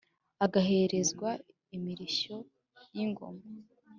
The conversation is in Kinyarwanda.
agaherezwa imirishyo yi ngoma